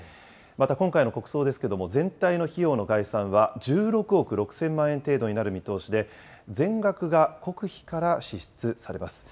また、今回の国葬ですけれども、全体の費用の概算は１６億６０００万円程度になる見通しで、全額が国費から支出されます。